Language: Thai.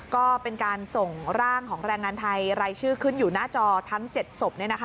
ก็เป็นการส่งร่างของแรงงานไทยรายชื่อขึ้นอยู่หน้าจอทั้ง๗ศพ